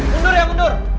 mundur ya mundur